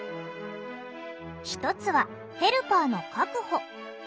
１つはヘルパーの確保。